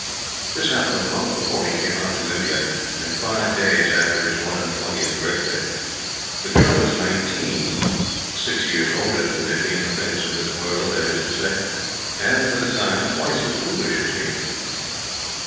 This happened a month before he came out to India, and five days after his one and twentieth birthday. The girl was nineteen six years older than Dicky in the things of this world, that is to say and, for the time, twice as foolish as he.